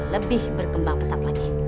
lebih berkembang pesat lagi